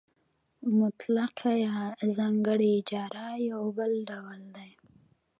مطلقه یا ځانګړې اجاره یو بل ډول دی